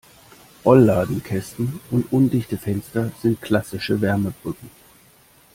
Rollladenkästen und undichte Fenster sind klassische Wärmebrücken.